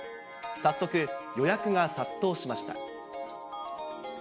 早速、予約が殺到しました。